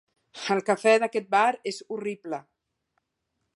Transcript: El cafè d'aquest bar és horrible.